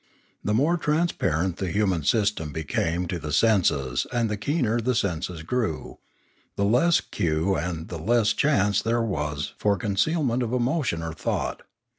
The more transparent the human system became to the senses and the keener the senses grew, the less cue and the less chance was there for concealment of emotion or thought.